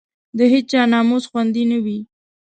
د هېچا ناموس خوندي نه وو.